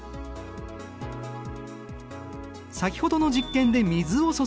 先ほどの実験で水を注いだ部分。